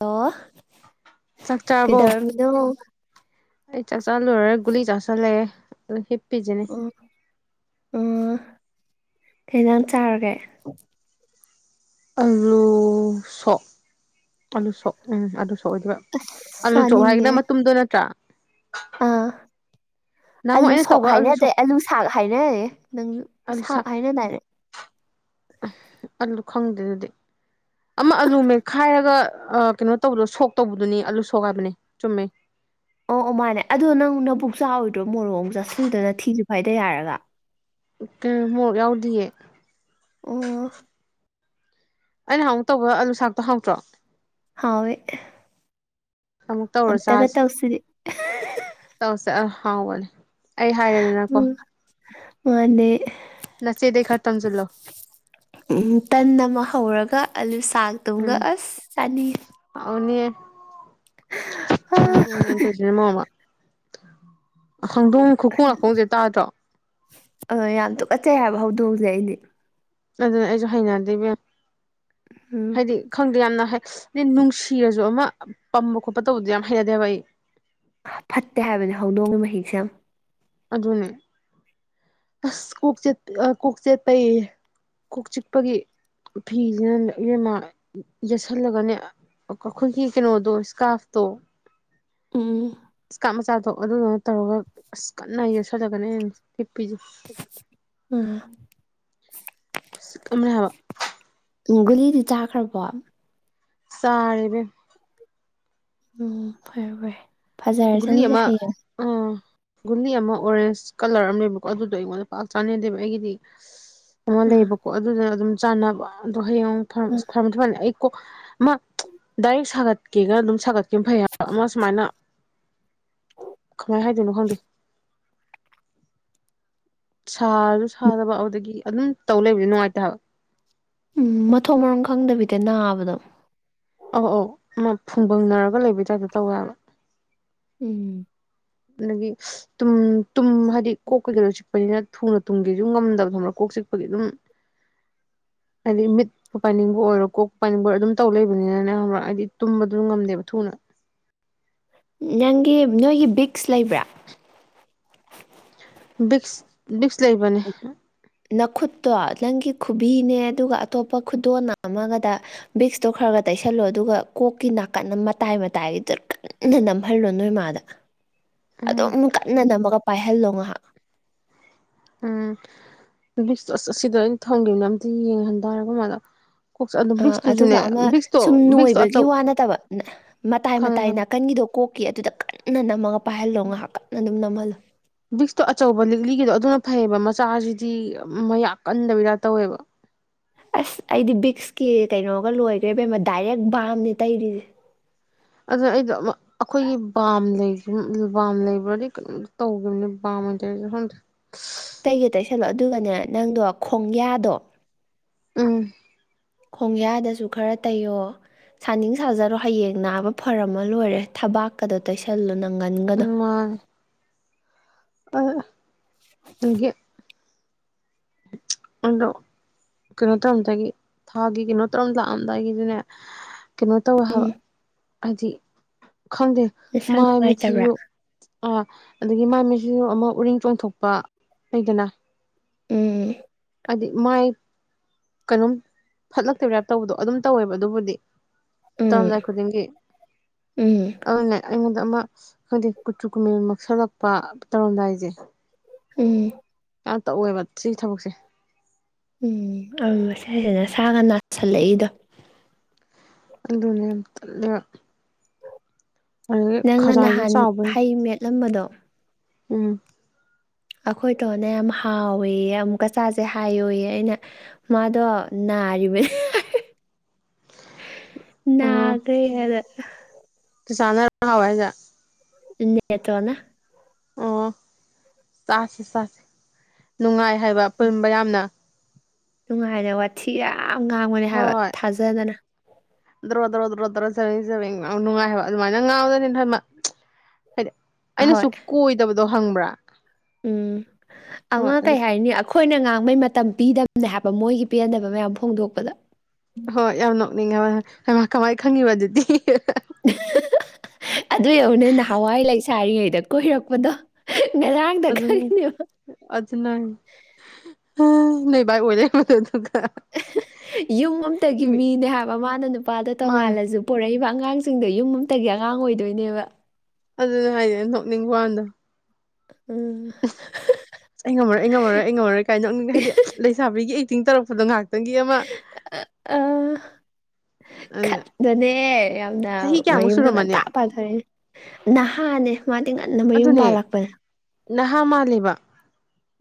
Hello ꯆꯥꯛ ꯆꯥꯔꯕꯣ ꯀꯩꯗꯧꯔꯝꯃꯤꯅꯣ ꯑꯩ ꯆꯥꯛ ꯂꯣꯏꯔꯒꯥ ꯒꯨꯂꯤ ꯆꯥꯁꯤꯜꯂꯦ ꯑꯗꯨꯒ ꯍꯦꯞꯄꯤꯁꯤꯅꯤ ꯑꯣ ꯑꯣ ꯀꯩ ꯌꯦꯟꯁꯥꯡ ꯆꯥꯔꯒꯦ ꯑꯥꯂꯨ ꯁꯣꯛ ꯑꯂꯨ ꯁꯣꯛ ꯎꯝ ꯑꯥꯂꯨ ꯁꯣꯛ ꯑꯣꯏꯗꯨꯢꯕ ꯑꯁ ꯑꯥꯂꯨ ꯆꯣꯞ ꯍꯥꯏꯗꯨꯅ ꯃꯇꯨꯝꯗꯣ ꯅꯠꯇ꯭ꯔꯥ ꯎꯝ ꯅꯍꯥꯟꯃꯨꯛ ꯑꯥꯂꯨ ꯑꯩꯅ ꯁꯣꯛ ꯇꯧꯕ ꯍꯥꯏꯅꯗ꯭ꯔꯦ ꯑꯥꯂꯨ ꯁꯥꯛ ꯍꯥꯏꯅꯩꯌꯦ ꯅꯪ ꯁꯥꯛ ꯍꯥꯏꯅꯗꯥꯏꯔꯦ ꯑ ꯑꯂꯨ ꯈꯪꯗꯦ ꯑꯗꯨꯗꯤ ꯑꯃ ꯑꯂꯨ ꯃꯠꯈꯥꯏꯔꯒ ꯑ ꯀꯩꯅꯣ ꯇꯧꯕꯗꯣ ꯁꯣꯛ ꯇꯧꯕꯗꯨꯅꯤ ꯑꯂꯨ ꯁꯣꯛ ꯍꯥꯏꯕꯅꯦ ꯆꯨꯝꯃꯦ ꯑꯣ ꯑꯣ ꯃꯥꯅꯦ ꯑꯗꯣ ꯅꯪ ꯅꯕꯨꯛ ꯆꯥꯎꯔꯤꯗꯣ ꯃꯣꯔꯣꯛ ꯆꯥꯁꯤꯜꯂꯤꯗꯣ ꯊꯤꯁꯨꯨ ꯐꯥꯏꯗꯩ ꯍꯥꯢꯔꯒ ꯀꯩꯅꯣ ꯃꯣꯔꯣꯛ ꯌꯥꯎꯗꯤꯌꯦ ꯑꯣ ꯑꯩꯅ ꯅꯥꯍꯟꯃꯨꯛ ꯇꯧꯕ ꯑꯂꯨꯁꯥꯛꯇꯣ ꯍꯥꯎꯇ꯭ꯔꯣ ꯍꯧ ꯋꯦ ꯑꯃꯨꯛ ꯇꯧꯔ ꯆꯥꯁꯦ ꯇꯁꯔꯤ [unintelligible] ꯇꯧꯁꯦ ꯑ ꯍꯥꯎꯕꯅꯦ ꯑꯩ ꯍꯥꯏꯔꯦꯗꯅꯀꯣ ꯃꯥꯅꯤ ꯅꯆꯦꯗꯩ ꯈꯔ ꯇꯝꯖꯤꯜꯂꯣ ꯎꯝ ꯇꯟ ꯑꯃ ꯍꯧꯔꯒ ꯑꯂꯨ ꯁꯥꯛꯇꯨꯒ ꯑꯁ ꯆꯥꯅꯤꯡꯉꯤ ꯑꯅꯤ ꯇꯗꯅꯦ [unintelligible] [unintelligible] ꯃꯔꯣꯟ ꯑꯃ ꯈꯪꯗꯣꯡ ꯈꯨꯈꯣꯡ ꯂꯥꯈꯣꯡꯁꯦ ꯇꯥꯗ꯭ꯔꯣ ꯑ ꯌꯥꯝ ꯇꯨꯀꯠꯆꯩ ꯍꯥꯏꯕ ꯍꯧꯗꯣꯡꯁꯦ ꯑꯩꯗꯤ ꯑꯗꯨꯅ ꯑꯩꯁꯨ ꯍꯩꯅꯗꯦꯕ ꯎꯝ ꯍꯥꯏꯗꯤ ꯈꯪꯗꯦ ꯌꯥꯝꯅ ꯍꯥꯏꯗꯤ ꯅꯨꯡꯁꯤꯔꯁꯨ ꯑꯃ ꯄꯝꯕ ꯈꯣꯠꯄ ꯇꯧꯕꯗꯣ ꯌꯥꯝ ꯍꯩꯅꯗꯦꯕ ꯑꯩ ꯐꯠꯇꯦ ꯍꯥꯏꯕꯅꯦ ꯍꯧꯗꯣꯡꯒꯤ ꯃꯍꯤꯛꯁꯦ ꯌꯥꯝ ꯑꯗꯨꯅꯦ ꯑꯁ ꯀꯣꯛ ꯆ ꯀꯣꯛ ꯆꯦꯠꯄꯩ ꯀꯣꯛ ꯆꯤꯛꯄꯒꯤ ꯐꯤꯁꯤꯅꯅꯦ ꯢꯕꯦꯝꯃ ꯌꯦꯠꯁꯜꯂꯒꯅꯦ ꯑꯩꯈꯣꯏꯒꯤ ꯀꯩꯅꯣꯗꯣ ꯏꯁꯀꯥꯐꯇꯣ ꯎꯝ ꯏꯁꯀꯥꯞ ꯃꯆꯥꯗꯣ ꯑꯗꯨꯗꯨꯅ ꯇꯧꯔꯒ ꯑꯁ ꯀꯟꯅ ꯌꯦꯛꯁꯤꯜꯂꯒꯅꯤ ꯍꯦꯛꯄꯤꯁꯦ ꯎꯝ ꯈꯨꯆꯤꯛ ꯑꯃꯅꯦ ꯍꯥꯏꯕ ꯎꯝ ꯒꯨꯂꯤꯗꯤ ꯆꯥꯈ꯭ꯔꯕꯣ ꯆꯥꯔꯦ ꯢꯕꯦꯝꯃꯥ ꯎꯝ ꯐꯔꯦ ꯐꯔꯦ ꯒꯨꯂꯤ ꯐꯖꯔꯁꯅꯤꯁꯦ ꯑꯃ ꯍꯌꯦꯡ ꯎꯝ ꯒꯨꯂꯤ ꯑꯃ ꯑꯣꯔꯦꯟꯖ ꯀꯂꯔ ꯑꯃ ꯂꯩꯌꯦꯕꯒꯣ ꯑꯗꯨꯗꯣ ꯑꯩꯉꯣꯟꯗ ꯄꯥꯛ ꯆꯥꯅꯗꯦꯕ ꯑꯩꯒꯤꯗꯤ ꯑꯃ ꯑꯥ ꯂꯩꯕꯀꯣ ꯑꯗꯨꯗ ꯑꯗꯨꯝ ꯆꯥꯅꯕ ꯑꯗꯣ ꯍꯌꯦꯡ ꯑꯥ ꯐꯃ ꯊꯝꯃꯂ ꯑꯩꯀꯣ ꯃꯥ ꯗꯥꯏꯔꯦꯛ ꯁꯥꯒꯠꯀꯦꯒꯅ ꯑꯗꯨꯝ ꯁꯥꯒꯠꯀꯦꯅ ꯐꯩ ꯍꯥꯏ ꯃꯥ ꯁꯨꯃꯥꯏꯅ ꯀ ꯍꯥꯏꯗꯤꯅ ꯍꯪꯗꯤ ꯁꯥꯔꯁꯨ ꯁꯥꯗꯕ ꯑꯗꯨꯗꯒꯤ ꯑꯗꯨꯝ ꯇꯧ ꯂꯩꯕꯁ ꯅꯨꯡꯉꯥꯏꯇꯕ ꯎꯝ ꯃꯊꯣꯡ ꯃꯔꯣꯡ ꯈꯪꯗꯕꯤꯗ ꯅꯥꯕꯗꯣ ꯑꯧ ꯑꯧ ꯃꯥ ꯐꯨꯡꯕꯪꯅꯔꯒ ꯂꯩꯕꯩ ꯇꯥꯏꯞꯇ ꯇꯧꯋꯦꯕ ꯎꯝ ꯑꯗꯒꯤ ꯇꯨꯝ ꯇꯨꯝ ꯍꯥꯏꯗꯤ ꯀꯣꯛ ꯀꯩꯀꯩꯩꯅꯣ ꯆꯤꯛꯄꯅꯤꯅ ꯊꯨꯅ ꯇꯨꯝꯒꯤꯁꯨ ꯉꯝꯗꯕ ꯊꯣꯝꯕ꯭ꯔꯥ ꯀꯣꯛ ꯆꯤꯛꯄꯒꯤ ꯑꯗꯨꯝ ꯑ ꯃꯤ ꯄꯥꯅꯤꯡꯕ ꯑꯣꯏꯔꯣ ꯀꯣꯛ ꯄꯥꯅꯤꯡꯕ ꯑꯣꯏꯔꯣ ꯑꯗꯨꯝ ꯇꯧ ꯂꯩꯕꯅꯤꯅ ꯅꯪꯛ ꯍꯥꯏꯗꯤ ꯇꯨꯝꯕꯗꯨ ꯉꯝꯗꯦꯕ ꯊꯨꯅ ꯅꯪꯒꯤ ꯅꯣꯏꯒꯤ ꯕꯤꯛꯁ ꯂꯩꯕ꯭ꯔꯥ ꯕꯤꯛꯁ ꯕꯤꯛꯁ ꯂꯩꯕꯅꯦ ꯅꯈꯨꯠꯇꯣ ꯅꯪꯒꯤ ꯈꯨꯕꯤꯅꯦ ꯑꯗꯨꯒ ꯑꯇꯣꯞꯄ ꯈꯨꯗꯣꯟꯅ ꯑꯃꯒꯗ ꯕꯤꯛꯁꯇꯣ ꯈꯔ ꯈꯔ ꯇꯩꯁꯜꯂꯣ ꯑꯗꯨꯒ ꯀꯣꯛꯀꯤ ꯅꯥꯀꯟ ꯃꯇꯥꯏ ꯃꯇꯥꯏꯒꯤꯗ ꯀꯟꯅ ꯅꯝꯍꯜꯂꯣ ꯅꯣꯏꯃꯗ ꯎꯝ ꯑꯗꯨꯝ ꯀꯟꯅ ꯅꯝꯃꯒ ꯄꯥꯏꯍꯜꯂꯣ ꯉꯥꯏꯍꯥꯛ ꯎꯝ ꯑꯁꯤꯗ ꯑꯩꯅ ꯊꯝꯈꯤꯕꯅ ꯑꯝꯇ ꯌꯦꯡꯍꯟ ꯇꯔꯦꯀ ꯃꯥꯗ ꯑꯥ ꯑꯗꯨꯒ ꯑꯃ ꯁꯨꯝ ꯚꯤꯛꯁꯇꯣ ꯅꯣꯏꯕꯒꯤ ꯑꯆꯧ ꯋꯥ ꯅꯠꯇꯕ ꯃꯇꯥꯏ ꯈꯪꯉꯦ ꯃꯇꯥꯏ ꯈꯪꯉꯦ ꯅꯥꯀꯟꯒꯤꯗꯣ ꯀꯣꯛꯀꯤ ꯑꯗꯨꯗ ꯀꯟꯅ ꯅꯝꯃꯒ ꯄꯥꯏꯍꯜꯂꯣ ꯉꯥꯏꯍꯥꯛ ꯀꯟꯅ ꯑꯗꯨꯝ ꯅꯝꯍꯜꯂꯣ ꯕꯤꯛꯁꯇꯣ ꯑꯆꯧꯕ ꯂꯤꯛꯂꯤꯒꯤꯗꯣ ꯑꯗꯨꯅ ꯐꯩꯌꯦꯕ ꯃꯆꯥꯁꯤꯗꯤ ꯃꯌꯥ ꯀꯟꯗꯕꯤꯔ ꯇꯧꯋꯦꯕ ꯑꯁ ꯑꯩꯗꯤ ꯕꯤꯛꯁꯀꯤ ꯀꯩꯅꯣꯒ ꯂꯣꯏꯈ꯭ꯔꯦꯕꯩꯃ ꯗꯥꯏꯔꯦꯛ ꯕꯥꯝꯅꯦ ꯇꯩꯔꯤꯁꯦ ꯑꯗꯨꯅ ꯑꯩꯗꯣ ꯑꯃꯨ ꯑꯩꯈꯣꯏꯒꯤ ꯕꯥꯝ ꯂꯩ ꯕꯥꯝ ꯂꯩꯕ꯭ꯔꯗꯤ ꯀꯩꯅꯣ ꯇꯧꯈꯤꯕꯅꯦ ꯕꯥꯝꯇꯥꯔ [unintelligible] ꯀꯩꯒꯦ ꯇꯩꯁꯜꯂꯣ ꯑꯗꯨꯒꯅꯦ ꯅꯪꯗꯣ ꯈꯣꯡꯌꯥꯗꯣ ꯎꯝ ꯈꯣꯡꯌꯥꯗꯁꯨ ꯈꯔ ꯇꯩꯌꯣ ꯁꯥꯅꯤꯡ ꯁꯥꯖꯔꯣ ꯍꯌꯦꯡ ꯅꯥꯕ ꯐꯔꯝꯃ ꯂꯣꯏꯔꯦ ꯊꯕꯥꯛꯀꯗꯣ ꯇꯩꯁꯜꯂꯣ ꯅꯪꯒꯟꯒꯗꯣ ꯑ ꯑꯗꯒꯤ ꯎꯝꯗꯣ ꯀꯩꯅꯣ ꯇꯧꯔꯝꯗꯥꯗꯒꯤ ꯊꯥꯒꯤ ꯀꯩꯅꯣ ꯇꯧꯔꯝ ꯂꯥꯛꯑꯝꯗꯥꯏꯒꯤꯗꯨꯅꯦ ꯀꯩꯅꯣ ꯇꯧꯋꯦ ꯍꯥꯏꯕ ꯎꯝ ꯍꯥꯏꯗꯤ ꯈꯪꯗꯦ ꯅꯁꯥ ꯃꯥꯏ ꯅꯨꯡꯉꯥꯏꯇꯕ꯭ꯔꯥ ꯃꯤꯊꯁꯨ ꯑꯥ ꯑꯗꯨꯗꯒꯤ ꯃꯥꯏ ꯃꯩꯁꯨ ꯑꯃ ꯎꯔꯤꯡ ꯆꯣꯡꯊꯣꯛꯄ ꯂꯩꯗꯅ ꯎꯝ ꯎꯝ ꯑꯗꯤ ꯃꯥꯥꯏ ꯀꯩꯅꯣꯝ ꯐꯠꯂꯛꯇꯕ꯭ꯔꯥꯞ ꯇꯧꯕꯗꯣ ꯑꯗꯨꯝ ꯇꯧꯋꯦꯕ ꯑꯗꯨꯕꯨꯗꯤ ꯎꯝ ꯇꯧꯔꯝꯗꯥꯏ ꯈꯨꯗꯤꯡꯒꯤ ꯎꯝ ꯑꯗꯨꯅꯦ ꯑꯩꯉꯣꯟꯗ ꯑꯃ ꯍꯥꯏꯗꯤ ꯀꯨꯆꯨ ꯀꯨꯃꯦꯟ ꯃꯛꯁꯜꯂꯛꯄ ꯇꯧꯔꯝꯗꯥꯏꯁꯦ ꯎꯝ ꯉꯥꯛꯇ ꯑꯣꯏꯌꯦꯕ ꯁꯤꯒꯤ ꯊꯕꯛꯁꯦ ꯎꯝ ꯑ ꯉꯁꯥꯏꯁꯤꯅ ꯁꯥꯒ ꯅꯥꯁꯜꯂꯛꯏꯗꯣ ꯑꯗꯨꯅꯦꯕ ꯇꯜꯂꯦꯕ ꯑꯗꯒꯤ ꯅꯪꯅ ꯈꯖꯥꯏꯁꯨ ꯅꯍꯥꯟ ꯆꯥꯎꯕꯩ ꯍꯩ ꯃꯦꯠꯂꯝꯕꯗꯣ ꯎꯝ ꯑꯩꯈꯣꯏꯗꯣꯅ ꯌꯥꯝ ꯍꯥꯎꯋꯦ ꯑꯃꯨꯛ ꯀꯆꯥꯁꯦ ꯍꯥꯏꯌꯨꯌꯦ ꯑꯩꯅ ꯃꯥꯗꯣ ꯅꯥꯔꯤꯕꯅꯦ ꯅꯥꯒ꯭ꯔꯦ [unintelligible] ꯆꯥꯆꯥꯅꯔꯣ ꯍꯥꯎꯋꯦ ꯍꯥꯏꯖꯦ ꯅꯦꯇꯣꯟꯅ ꯑꯣ ꯆꯥꯁꯦ ꯆꯥ ꯅꯨꯡꯉꯥꯏ ꯍꯥꯏꯕ ꯑꯄꯨꯟꯕ ꯌꯥꯝꯅ ꯅꯨꯡꯉꯥꯏꯅ ꯋꯥꯊꯤ ꯌꯥꯝ ꯉꯥꯡꯕꯅꯤ ꯍꯥꯏꯕ ꯍꯣꯏ ꯊꯥꯖꯗꯅ ꯗ꯭ꯔꯣ ꯗ꯭ꯔꯣ ꯗ꯭ꯔꯣ ꯗ꯭ꯔꯣ ꯆꯕꯦꯡ ꯆꯕꯦꯡ ꯉꯥꯎ ꯅꯨꯡꯉꯥꯏ ꯍꯥꯏꯕ ꯑꯗꯨꯃꯥꯏꯅ ꯉꯥꯎ [unintelligible] ꯍꯣꯏ ꯑꯩꯅꯁꯨ ꯀꯣꯏꯗꯕꯗꯣ ꯍꯪꯕ꯭ꯔꯥ ꯎꯝ ꯍꯣꯏ ꯑꯃ ꯑꯗꯨ ꯀꯩ ꯍꯥꯏꯅꯤ ꯑꯛ ꯈꯣꯏꯅ ꯉꯥꯡꯕꯩ ꯃꯇꯝ ꯄꯤꯗꯝꯕꯅꯦ ꯍꯥꯏꯕ ꯃꯣꯏꯒꯤ ꯄꯦꯟꯗꯕ ꯃꯌꯥꯝ ꯐꯣꯡꯗꯣꯛꯄꯗ ꯍꯣꯏ ꯌꯥꯝ ꯅꯣꯛꯅꯤꯡꯉꯦ ꯍꯥꯏꯕ ꯍꯩꯃꯥ ꯀꯃꯥꯏ ꯈꯪꯉꯤꯕ ꯑꯗꯨꯗꯤ ꯑꯗꯨ ꯌꯣꯡꯅꯦ ꯅꯍꯥꯟꯋꯥꯏ ꯂꯩꯁꯥꯔꯤꯉꯩꯗ ꯀꯣꯏꯔꯛꯄꯗꯣ ꯉꯔꯥꯡꯗ ꯈꯪꯉꯤꯅꯦꯕ ꯑꯗꯨꯅꯟ ꯅꯣꯏ ꯕꯥꯏ ꯎꯔꯗꯤ [unintelligible] ꯑꯗꯨꯒ ꯌꯨꯝ ꯑꯝꯇꯒꯤ ꯃꯤꯅꯦ ꯍꯥꯏꯕ ꯃꯥꯅ ꯅꯨꯄꯥꯗ ꯃꯥꯅꯦ ꯇꯣꯡꯉꯥꯜꯂꯖꯨ ꯄꯣꯔꯛꯏꯕ ꯑꯉꯥꯡꯁꯤꯡꯗꯣ ꯌꯨꯝ ꯑꯝꯇꯒꯤ ꯑꯉꯥꯡ ꯑꯣꯏꯗꯣꯏꯅꯦꯕ ꯑꯗꯨꯅꯦ ꯍꯥꯏꯖꯦ ꯅꯣꯛꯅꯤꯡꯕ ꯋꯥꯅꯤꯗ ꯎꯝ ꯑꯩ ꯉꯝꯃꯔꯣꯏ ꯑꯩ ꯉꯝꯃꯔꯣꯏ ꯑꯩ ꯉꯝꯃꯔꯣꯏ ꯀꯥꯏꯅ ꯅꯣꯛꯅꯤꯡ ꯍꯥꯏꯗꯤ ꯂꯩꯁꯥꯕꯤꯒꯤ ꯑꯦꯛꯇꯤꯡ ꯇꯧꯔꯛꯄꯗꯣ ꯉꯥꯛ ꯇꯪꯒꯤ ꯑꯃ ꯈꯠꯂꯣꯅꯦ ꯌꯥꯝꯅ ꯆꯍꯤ ꯀꯌꯥꯃꯨꯛ ꯃꯌꯨꯝꯗꯣ ꯁꯨꯔꯝꯃꯅꯤ ꯉꯟꯇꯥ ꯄꯥꯟ [unintelligible] ꯅꯍꯥꯅꯦ ꯃꯥꯗꯤ ꯉꯟꯅ ꯃꯌꯨꯝ ꯑꯗꯨꯅꯦ ꯄꯥꯜꯂꯛꯄꯅꯦ ꯅꯍꯥ ꯃꯥꯜꯂꯤꯕ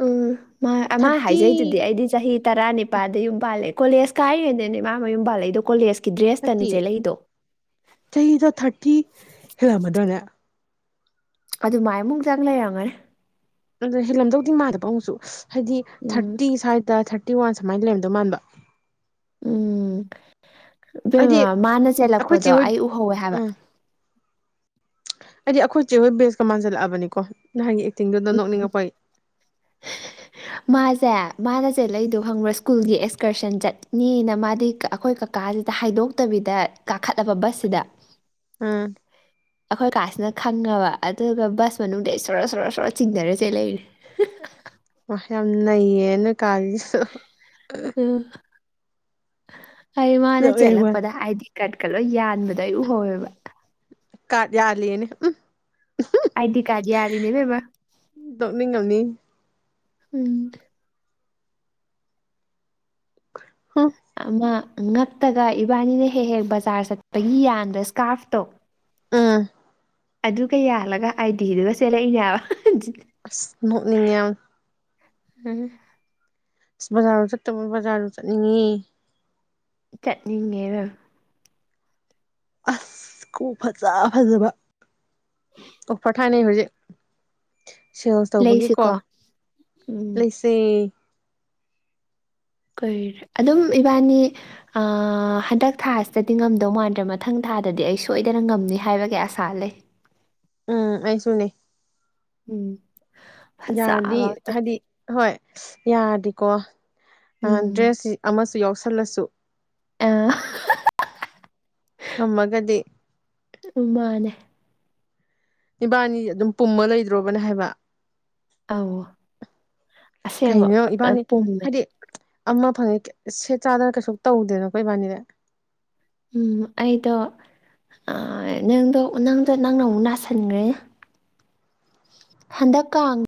ꯎꯝ ꯃꯥꯏ ꯑꯃꯥꯏ ꯍꯥꯏꯖꯩꯗꯨꯗꯤ ꯑꯩꯗꯤ ꯆꯍꯤ ꯇꯔꯥꯅꯤꯄꯥꯗ ꯌꯨꯝ ꯄꯥꯜꯂꯦ ꯀꯣꯂꯦꯖ ꯀꯥꯏꯔꯤꯒꯩꯗꯩꯅꯦ ꯃꯥ ꯃꯌꯨꯝ ꯄꯥꯜꯂꯛꯏꯗꯣ ꯀꯣꯂꯦꯖ ꯀꯤ ꯗ꯭ꯔꯦꯁꯇꯅꯤ ꯅꯠꯇꯦ ꯆꯦꯜꯂꯛꯏꯗꯣ ꯆꯍꯤꯗꯣ ꯊꯥꯔꯇꯤ ꯍꯦꯜꯂꯝꯃꯗ꯭ꯔꯅꯦ ꯑꯗꯨꯃꯥꯏ ꯃꯨꯛꯇꯪ ꯂꯩꯔꯝꯒꯅꯤ ꯑꯗꯨꯏ ꯍꯦꯜꯂꯝꯗꯧꯗꯤ ꯃꯥꯟꯗꯕ ꯑꯃꯨꯛꯁꯨ ꯍꯥꯏꯗꯤ ꯎꯝ ꯊꯥꯔꯇꯤ ꯁ꯭ꯋꯥꯏꯗ ꯊꯥꯔꯇꯤ ꯋꯥꯟ ꯁꯨꯃꯥꯏꯗꯤ ꯂꯩꯔꯝꯗꯧ ꯃꯥꯟꯕ ꯎꯝ ꯑꯩꯗꯤ ꯏꯕꯦꯝꯃꯥ ꯃꯥꯅ ꯑꯩꯈꯣꯏ ꯆꯦꯜꯂꯛꯄꯗꯣ ꯆꯦꯍꯣꯏ ꯑꯩ ꯎꯍꯧꯋꯦ ꯍꯥꯏꯕ ꯑꯥ ꯑꯩꯗꯤ ꯑꯈꯣꯏ ꯆꯦ ꯍꯣꯏ ꯕꯦꯁꯀ ꯃꯥꯟꯖꯜꯂꯛꯑꯕꯅꯤꯀꯣ ꯅꯍꯥꯟꯒꯤ ꯑꯦꯛꯇꯤꯡꯗꯨꯗ ꯅꯣꯛꯅꯤꯡꯉꯛꯄꯩ [inaudible] ꯃꯥꯖꯦ ꯃꯥꯅ ꯆꯦꯜꯂꯛꯏꯗꯣ ꯈꯪꯕ꯭ꯔꯥ ꯁ꯭ꯀꯨꯜꯒꯤ ꯑꯦꯛꯁꯀꯔꯁꯟ ꯆꯠꯅꯤꯅ ꯃꯥꯗꯤ ꯀꯛ ꯑꯩꯈꯣꯏ ꯀꯛ ꯀꯥꯖꯤꯗ ꯍꯥꯏꯗꯣꯛꯇꯕꯤꯗ ꯀꯥꯈꯠꯂꯕ ꯕꯁꯁꯤꯗ ꯎꯝ ꯑꯩꯈꯣꯏ ꯀꯥꯁꯤꯅ ꯈꯪꯉꯕ ꯑꯗꯨꯒ ꯕꯁ ꯃꯅꯨꯡꯗꯩ ꯁꯣꯔꯣ ꯁꯣꯔꯣ ꯁꯣꯔꯣ ꯆꯤꯡꯗꯔꯥ ꯆꯦꯂꯛꯏꯅꯤ ꯋꯥ ꯌꯥꯝ ꯅꯩꯌꯦ ꯅꯣꯏ ꯀꯥꯒꯤꯁꯨ ꯎꯝ ꯑꯩ ꯃꯥꯅ ꯅꯣꯛꯅꯤꯡ ꯋꯥꯅꯤ ꯆꯦꯜꯂꯛꯄꯗ ꯍꯥꯏꯗꯤ ꯀ꯭ꯔꯠꯀꯥ ꯂꯣꯏ ꯌꯥꯟꯕꯗ ꯑꯩ ꯎꯍꯧꯋꯦꯕ ꯀꯥ꯭ꯔꯠ ꯌꯥꯂꯤꯌꯦꯅꯦ ꯎꯝ ꯑꯥꯏꯗꯤ ꯀꯥꯠ ꯌꯥꯜꯂꯤꯅꯦ ꯏꯕꯦꯝꯃꯥ ꯅꯣꯛꯅꯤꯡꯉꯝꯅꯤ ꯎꯝ ꯍꯨꯝ ꯑꯃ ꯉꯛꯇꯒ ꯏꯕꯥꯅꯤꯅ ꯍꯦꯛ ꯍꯦꯛ ꯕꯖꯥꯔ ꯆꯠꯄꯒꯤ ꯌꯥꯟꯕ ꯁ꯭ꯀꯥꯐꯇꯣ ꯎꯝ ꯑꯗꯨꯒ ꯌꯥꯜꯂꯒ ꯑꯥꯏ ꯗꯤꯗꯨꯒ ꯆꯦꯜꯂꯛꯏꯅꯦ ꯍꯥꯏꯕ ꯑꯁ ꯅꯣꯛꯅꯤꯡꯉꯦ ꯌꯝ ꯎꯝ ꯕꯖꯥꯔꯗ ꯆꯠꯇꯕ ꯕꯖꯥꯔꯗ ꯆꯠꯅꯤꯡꯉꯤ ꯀꯠꯅꯤꯡꯉꯦꯔꯥ ꯑꯁ ꯈꯨꯎꯞ ꯐꯖ ꯐꯖꯕ ꯑꯣꯐꯔ ꯊꯥꯏꯅꯩ ꯍꯨꯖꯤꯛ ꯁꯦꯜꯁ ꯇꯧꯕꯒꯤꯀꯣ ꯂꯩꯁꯤꯀꯣ ꯎꯝ ꯂꯩꯁꯦ ꯀꯨꯏꯔꯦ ꯑꯗꯨꯝ ꯏꯕꯥꯅꯤ ꯑꯥ ꯍꯟꯇꯛ ꯊꯥꯁꯤꯗꯗꯤ ꯉꯝꯗꯧ ꯃꯥꯟꯗ꯭ꯔꯦ ꯃꯊꯪ ꯊꯥꯗꯗꯤ ꯑꯩ ꯁꯣꯏꯗꯅ ꯉꯝꯅꯤ ꯍꯥꯏꯕꯒꯤ ꯑꯥꯁꯥ ꯂꯩ ꯎꯝ ꯑꯩꯁꯨꯅꯦ ꯎꯝ ꯐꯖꯕ ꯌꯥꯔꯗꯤ [unintelligible] ꯍꯥꯏꯗꯤ ꯍꯣꯏ ꯌꯥꯔꯗꯤꯀꯣ ꯎꯝ ꯗ꯭ꯔꯦꯁꯁꯤ ꯑꯃꯁꯨ ꯌꯥꯎꯁꯜꯂꯁꯨ ꯑꯥ ꯀꯝꯃꯒꯥꯗꯤ ꯎꯝ ꯃꯥꯅꯦ ꯏꯕꯥꯅꯤ ꯑꯗꯨꯝ ꯄꯨꯝꯃ ꯂꯩꯗ꯭ꯔꯣꯕꯅꯦ ꯍꯥꯏꯕ ꯑꯧ ꯑꯁꯦꯡꯕ ꯀꯩꯅꯣ ꯐꯥꯅ ꯏꯕꯥꯅꯤ ꯄꯨꯝꯃꯦ ꯍꯥꯏꯗꯤ ꯑꯃ ꯐꯪꯉꯦ ꯁꯦꯠ ꯆꯥꯗꯅ ꯀꯩꯁꯨ ꯇꯧꯗꯦꯅꯀꯣ ꯏꯕꯥꯅꯤꯗꯤ ꯎꯝ ꯑꯩꯗꯣ ꯑꯥ ꯅꯪꯗꯣ ꯅꯪꯗꯣ ꯅꯪꯅ ꯑꯃꯨꯛ ꯅꯥꯁꯤꯟꯒ꯭ꯔꯦ ꯍꯟꯗꯛ ꯀꯥꯡ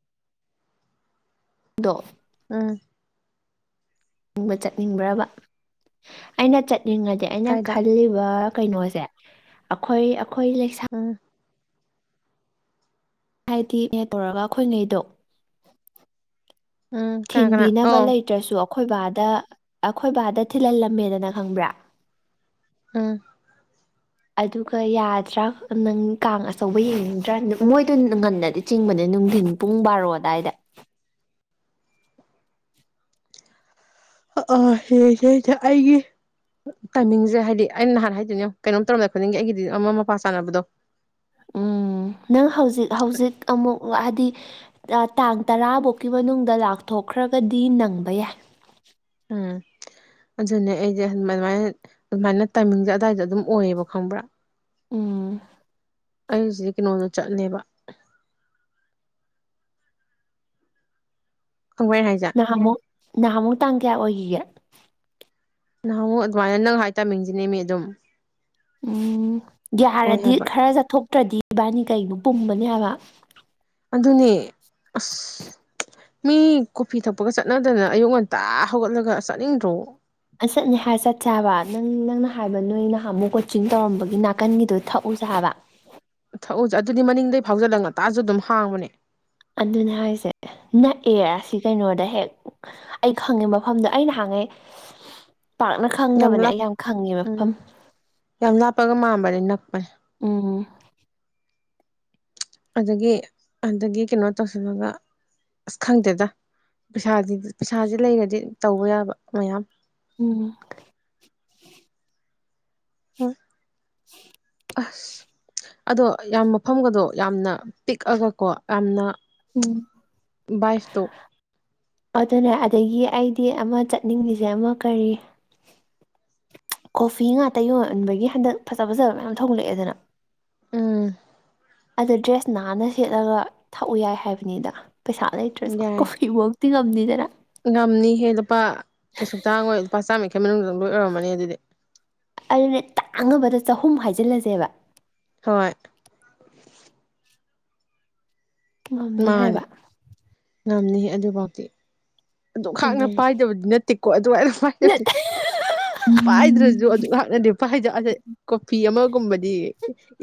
ꯗꯣ ꯎꯝ ꯕ ꯆꯠꯅꯤꯡꯕ꯭ꯔꯥꯕ ꯑꯩꯅ ꯆꯠꯅꯤꯡꯉꯗꯤ ꯑꯩꯅ ꯀꯥꯏꯗ ꯈꯜꯂꯤꯕ ꯀꯩꯅꯣꯁꯦ ꯑꯈꯣꯏ ꯑꯈꯣꯏ ꯂꯩꯁꯥ ꯎꯝ ꯍꯥꯏꯗꯤ ꯑꯦꯠ ꯇꯧꯔꯒ ꯑꯈꯣꯏꯉꯩꯗꯣ ꯎꯝ ꯀꯅꯥ ꯀꯅꯥ ꯊꯤꯟꯕꯤꯅꯕ ꯑꯧ ꯂꯩꯇ꯭ꯔꯥꯁꯨ ꯑꯈꯣꯏ ꯕꯥꯗ ꯑꯈꯣꯏ ꯕꯥꯗ ꯊꯤꯜꯍꯜꯂꯝꯃꯦꯗꯅ ꯈꯪꯕ꯭ꯔꯥ ꯎꯝ ꯑꯗꯨꯒ ꯌꯥꯗ꯭ꯔꯥ ꯅꯪ ꯀꯥꯡ ꯑꯆꯧꯕ ꯌꯦꯡꯅꯤꯡꯗ꯭ꯔꯥ ꯃꯣꯏꯗ ꯉꯟꯅꯗꯤ ꯆꯤꯡꯕꯅꯦ ꯅꯨꯡꯗꯤꯟ ꯄꯨꯡ ꯕꯥꯔꯣ ꯑꯗꯥꯏꯗ ꯑꯥ ꯑꯥ ꯌꯦꯡꯁꯦ ꯌꯦꯡꯁꯦ ꯑꯩꯒꯤ ꯇꯥꯏꯃꯤꯡꯖꯦ ꯍꯥꯏꯗꯤ ꯑꯩꯅ ꯅꯍꯥꯟ ꯍꯥꯏꯗꯨꯅꯦ ꯌꯣꯡ ꯀꯩꯅꯣꯝ ꯇꯧꯔꯝꯗꯥꯏ ꯈꯨꯗꯤꯅꯤꯡꯒꯤ ꯑꯩꯒꯤꯗꯤ ꯑꯃ ꯃꯄꯥ ꯆꯥꯅꯕꯗꯣ ꯎꯝ ꯎꯝ ꯅꯪ ꯍꯧꯖꯤꯛ ꯍꯧꯖꯤꯛ ꯑꯃꯨꯛ ꯍꯥꯏꯗꯤ ꯇꯥꯡ ꯇꯔꯥꯕꯨꯛꯀꯤ ꯃꯅꯨꯡꯗ ꯂꯥꯛꯊꯣꯛꯈ꯭ꯔꯥꯒꯗꯤ ꯅꯪꯕ ꯌꯥꯏ ꯎꯝ ꯑꯗꯨꯅꯦ ꯑꯩꯖꯦ ꯃꯥꯏꯟꯃꯥꯏꯅ ꯑꯗꯨꯃꯥꯏꯅ ꯇꯥꯏꯃꯤꯡꯖꯦ ꯑꯗꯥꯏꯗ ꯑꯗꯨꯝ ꯑꯣꯏꯌꯦꯕ ꯈꯪꯕ꯭ꯔꯥ ꯎꯝ ꯑꯩ ꯍꯨꯖꯤꯛ ꯀꯩꯅꯣꯗ ꯆꯠꯂꯦꯕ ꯈꯪꯕ꯭ꯔꯥ ꯑꯩ ꯍꯥꯏꯖꯦ ꯅꯍꯥꯃꯨꯛ ꯅꯍꯥꯃꯨꯛ ꯇꯥꯡ ꯀꯌꯥ ꯑꯣꯏꯒꯤꯒꯦ ꯅꯍꯥꯃꯨꯛ ꯑꯗꯨꯃꯥꯏꯅ ꯅꯪ ꯍꯥꯏ ꯇꯥꯏꯃꯤꯡꯖꯤꯅꯦ ꯃꯦ ꯑꯗꯨꯝ ꯎꯝ ꯑꯣꯏ ꯒ꯭ꯌꯥꯔꯗꯤ ꯍꯥꯏꯕ ꯈꯔ ꯆꯠꯊꯣꯛꯇ꯭ꯔꯥꯗꯤ ꯏꯕꯥꯅꯤ ꯀꯩꯅꯣ ꯄꯨꯝꯃꯅꯤ ꯍꯥꯏꯕ ꯑꯗꯨꯅꯦ ꯑꯁ ꯃꯤ ꯀꯣꯐꯤ ꯊꯛꯄꯒ ꯆꯠꯅꯗꯅ ꯑꯌꯨꯛ ꯉꯟꯇꯥ ꯍꯧꯒꯠꯂꯒ ꯆꯠꯅꯤꯡꯗ꯭ꯔꯣ ꯑꯥ ꯆꯠꯅꯤ ꯍꯥꯏꯔ ꯆꯠꯁꯦ ꯍꯥꯏꯕ ꯅꯪ ꯅꯪꯅ ꯍꯥꯏꯕ ꯅꯣꯏ ꯅꯍꯥꯃꯨꯛ ꯀꯣꯆꯤꯡ ꯇꯧꯔꯝꯕꯒꯤ ꯅꯥꯀꯟꯒꯤꯗꯣ ꯊꯛꯎꯁꯦ ꯍꯥꯏꯕ ꯊꯛꯎꯁꯦ ꯑꯗꯨꯗꯤ ꯃꯅꯤꯡꯗꯩ ꯐꯥꯎꯖꯜꯂꯛ ꯉꯇꯥꯁꯨ ꯑꯗꯨꯝ ꯍꯥꯡꯕꯅꯦ ꯑꯗꯨꯅ ꯍꯥꯏꯁꯦ ꯅꯛꯑꯦ ꯁꯤ ꯀꯩꯅꯣꯗ ꯍꯦꯛ ꯑꯩ ꯈꯪꯉꯦ ꯃꯐꯝꯗ ꯑꯩꯅ ꯍꯥꯡꯉꯦ ꯄꯥꯛꯅ ꯈꯪꯗꯕꯅꯦ ꯑꯩ ꯌꯥꯝ ꯈꯪꯉꯦ ꯃꯐꯝ ꯎꯝ ꯌꯥꯝ ꯂꯥꯞꯄꯒ ꯃꯥꯟꯕꯅꯦ ꯅꯛꯄꯅꯦ ꯎꯝ ꯑꯗꯒꯤ ꯑꯗꯒꯤ ꯀꯩꯅꯣ ꯇꯧꯁꯤꯜꯂꯒ ꯑꯁ ꯈꯪꯗꯦꯗ ꯄꯩꯁꯥ ꯄꯩꯁꯥꯁꯦ ꯂꯩꯔꯗꯤ ꯇꯧꯕ ꯌꯥꯕ ꯃꯌꯥꯝ ꯎꯝ ꯍꯣꯏ [inaudible] ꯑꯁ ꯑꯗꯣ ꯌꯥꯝ ꯃꯐꯝꯒꯗꯣ ꯌꯥꯝꯅ ꯄꯤꯛꯑꯒꯀꯣ ꯌꯥꯝꯅ ꯎꯝ ꯚꯥꯏꯐꯇꯣ ꯑꯗꯨꯅꯦ ꯑꯗꯒꯤ ꯑꯩꯗꯤ ꯑꯃ ꯆꯠꯅꯤꯡꯂꯤꯁꯦ ꯑꯃ ꯀꯔꯤ ꯀꯣꯐꯤ ꯉꯥꯛꯇ ꯌꯣꯟꯕꯒꯤ ꯍꯟꯗꯛ ꯐꯖ ꯐꯖꯕ ꯃꯌꯥꯝ ꯊꯣꯛꯂꯛꯑꯦꯗꯅ ꯎꯝ ꯑꯗꯨ ꯗ꯭ꯔꯦꯁ ꯅꯥꯟꯅ ꯁꯦꯠꯂꯒ ꯊꯛꯎ ꯌꯥꯏ ꯍꯥꯏꯕꯅꯤꯗ ꯄꯩꯁꯥ ꯂꯩꯇ꯭ꯔꯁꯨ ꯌꯥꯏ ꯀꯣꯐꯤ ꯐꯧꯇꯤ ꯉꯝꯅꯤꯗꯅ ꯉꯝꯅꯤꯍꯦ ꯂꯨꯄꯥ ꯀꯩꯁꯨ ꯇꯥꯡꯉꯣꯏ ꯂꯨꯄꯥ ꯆꯥꯝꯃꯔꯤꯈꯩ ꯃꯅꯨꯡꯗꯪ ꯂꯣꯏ ꯑꯣꯏꯔꯝꯃꯅꯤ ꯑꯗꯨꯗꯤ ꯑꯗꯨꯅꯦ ꯇꯥꯡꯉꯕꯗ ꯆꯍꯨꯝ ꯍꯥꯏꯖꯤꯜꯂꯁꯦꯕ ꯍꯣꯏ ꯉꯝꯅꯤ ꯃꯥꯅꯦ ꯍꯥꯏꯕ ꯉꯝꯅꯤ ꯑꯗꯨꯐꯥꯎꯗꯤ ꯑꯗꯨ ꯈꯥꯛꯅ ꯑꯗꯨꯅꯦ ꯄꯥꯏꯗꯕꯗꯤ ꯅꯠꯇꯦ ꯇꯤꯀꯣ ꯑꯗꯨꯃꯥꯏꯅ ꯄꯥꯏꯕ ꯄꯥꯏꯗ꯭ꯔꯁꯨ ꯑꯗꯨꯛ ꯉꯞꯅꯗꯦ ꯄꯥꯏꯗꯁꯦ ꯀꯣꯐꯤ ꯑꯃꯒꯨꯝꯕꯗꯤ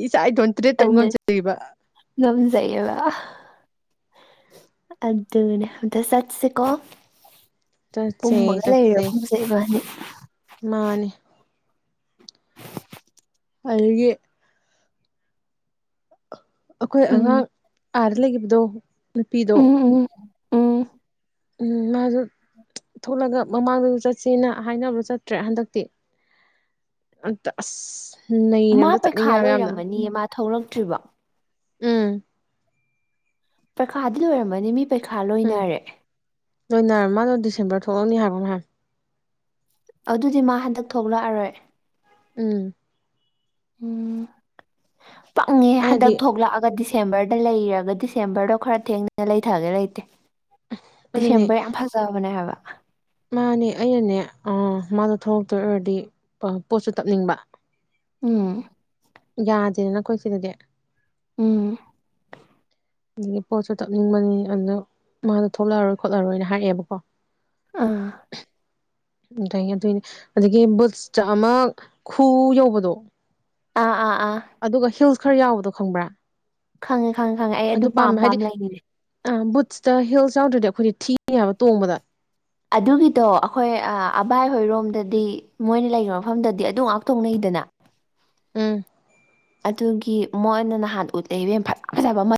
ꯏꯆꯥ ꯏꯊꯣꯟꯇꯔꯦꯠ ꯇꯧꯕ ꯉꯝꯖꯔꯤꯕ ꯉꯝꯖꯩꯕ ꯑꯗꯨꯅꯦ ꯑꯗ ꯁꯠꯁꯤꯀꯣ ꯆꯠꯁꯦ ꯄꯨꯝꯃꯒ ꯂꯩꯔꯦ ꯆꯠꯁꯦ ꯄꯨꯝꯁꯩꯕꯅꯤ ꯃꯥꯅꯦ ꯑꯗꯨꯒꯤ ꯑꯩꯈꯣꯏ ꯎꯝ ꯑꯉꯥꯡ ꯑꯥꯗ ꯂꯩꯈꯤꯕꯗꯣ ꯅꯨꯄꯤꯗꯣ ꯎꯝ ꯎꯝ ꯎꯝ ꯎ ꯃꯥꯁꯨ ꯊꯣꯛꯂꯒ ꯃꯃꯥꯡꯗꯁꯨ ꯆꯠꯁꯦꯅ ꯍꯥꯏꯅꯕꯗꯣ ꯆꯠꯇ꯭ꯔꯦ ꯍꯟꯗꯛꯇꯤ ꯑꯝꯇ ꯑꯁ ꯅꯩꯅ ꯃꯥ ꯑꯝꯇ ꯄꯩꯈꯥ ꯆꯠꯅꯤꯡꯉꯦ ꯍꯥꯏꯕ ꯌꯥꯝꯅ ꯂꯣꯏꯔꯝꯃꯅꯤꯌꯦ ꯃꯥ ꯊꯣꯛꯂꯛꯇ꯭ꯔꯤꯕꯣ ꯎꯝ ꯄꯔꯤꯈꯥꯗꯤ ꯂꯣꯏꯔꯝꯃꯅꯤ ꯃꯤ ꯄꯔꯤꯈꯥ ꯎꯝ ꯂꯣꯏꯅꯔꯦ ꯂꯣꯏꯅꯔ ꯃꯥꯗꯣ ꯗꯤꯁꯦꯝꯕꯔ ꯊꯣꯛꯂꯑꯅꯤ ꯍꯥꯏꯕ꯭ꯔꯣ ꯃ ꯍꯥꯏ ꯑꯗꯨꯗꯤ ꯃꯥ ꯍꯟꯗꯛ ꯊꯣꯛꯂꯛꯑꯔꯣꯏ ꯎꯝ ꯎꯝ ꯄꯪꯉꯦ ꯑꯩꯅꯗꯤ ꯍꯟꯗꯛ ꯊꯣꯛꯂꯛꯑꯒꯗꯤ ꯗꯤꯁꯦꯝꯕꯔꯗ ꯂꯩꯔꯒ ꯗꯤꯁꯦꯝꯕꯔꯗꯣ ꯈꯔ ꯊꯦꯡꯅꯅ ꯂꯩꯊꯒꯦ ꯂꯩꯇꯦ ꯑꯗꯨꯅꯦ ꯗꯤꯁꯦꯝꯕꯔ ꯌꯥꯝ ꯐꯖꯕꯅꯦ ꯍꯥꯏꯕ ꯃꯥꯅꯦ ꯑꯩꯅꯅꯦ ꯃꯥꯗꯣ ꯊꯣꯛꯂꯛꯇꯣꯏ ꯑꯣꯏꯔꯗꯤ ꯄꯣꯠꯁꯨ ꯇꯞꯅꯤꯡꯕ ꯎꯝ ꯌꯥꯗꯦꯅ ꯅꯈꯣꯏ ꯁꯤꯗꯗꯤ ꯎꯝ ꯑꯗꯒꯤ ꯄꯣꯠꯁꯨ ꯇꯛꯅꯤꯡꯕꯅꯤ ꯑꯗꯨꯗ ꯃꯥꯗꯣ ꯊꯣꯛꯂꯛꯑꯔꯣꯏ ꯈꯣꯠꯂꯔꯣꯏꯅ ꯍꯥꯏꯑꯦꯕꯀꯣ ꯑꯥ ꯑꯗꯒꯤꯗꯤ ꯑꯗꯒꯤ ꯕꯨꯠꯁꯇ ꯑꯃ ꯈꯨ ꯌꯧꯕꯗꯣ ꯑꯥ ꯑꯥ ꯑꯥ ꯑꯗꯨꯒ ꯍꯤꯜꯁ ꯈꯔ ꯌꯥꯎꯕꯗꯣ ꯈꯪꯕ꯭ꯔꯥ? ꯈꯪꯉꯦ ꯈꯪꯉꯦ ꯈꯪꯉꯦ ꯑꯩ ꯑꯗꯨ ꯄꯥꯝ ꯄꯥꯝ ꯂꯩꯅꯤꯅꯦ ꯑ ꯕꯨꯠꯁꯇ ꯍꯤꯜꯁ ꯌꯥꯎꯗ꯭ꯔꯗꯤ ꯑꯈꯣꯏꯗꯤ ꯊꯤꯅꯤꯕ ꯇꯣꯡꯕꯗ꯫ ꯑꯗꯨꯒꯤꯗꯣ ꯑꯈꯣꯏ ꯑꯕꯥꯏ ꯍꯣꯏꯔꯣꯝꯗꯗꯤ ꯃꯣꯏꯅ ꯂꯩ ꯃꯐꯝꯗꯗꯤ ꯑꯗꯨ ꯉꯥꯛ ꯇꯣꯡꯅꯩꯗꯅ ꯎꯝ ꯑꯗꯨꯒꯤ ꯃꯣꯏꯅ ꯅꯍꯥꯟ ꯎꯠꯂꯛꯏꯕ ꯌꯥꯝ ꯐꯖ ꯐꯖꯕ